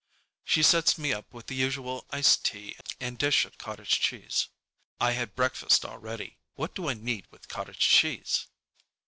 She sets me up with the usual iced tea and dish of cottage cheese. "I had breakfast already. What do I need with cottage cheese?"